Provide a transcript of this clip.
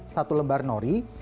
satu lembar nori